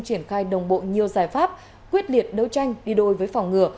triển khai đồng bộ nhiều giải pháp quyết liệt đấu tranh đi đôi với phòng ngừa